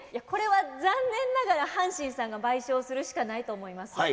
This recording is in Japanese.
これは残念ながら阪神さんが賠償するしかないと思います。